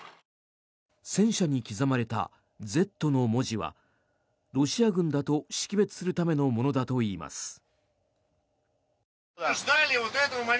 戦車に刻まれた「Ｚ」の文字はロシア軍だと識別するためのものだといいます。